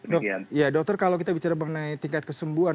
dok ya dokter kalau kita bicara mengenai tingkat kesembuhan